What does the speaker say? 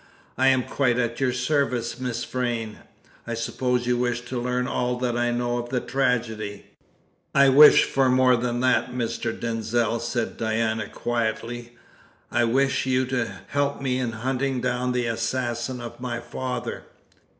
"I am quite at your service, Miss Vrain. I suppose you wish to learn all that I know of the tragedy?" "I wish for more than that, Mr. Denzil," said Diana quietly. "I wish you to help me in hunting down the assassin of my father."